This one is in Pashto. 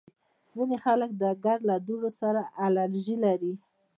ځینې خلک له ګرد او دوړو سره الرژي لري